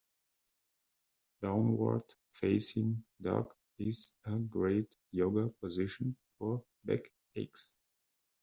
Downward facing dog is a great Yoga position for back aches.